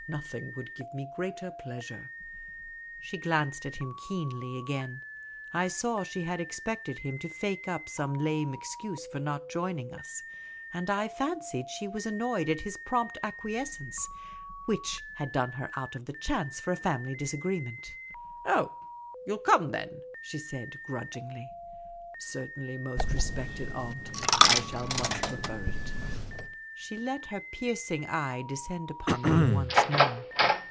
Nothing would give me greater pleasure." She glanced at him keenly again. I saw she had expected him to fake up some lame excuse for not joining us ; and I fancied she was annoyed at his prompt acquiescence, which The Supercilious Attache 43 had done her out of the chance for a family disagreement. " Oh, j'ou '11 come then ?" she said, grudgingl}'. " Certainly, most respected aunt. I shall much prefer it." She let her piercing eye descend upon me once more.